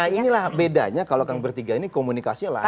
nah inilah bedanya kalau kan bertiga ini komunikasinya lancar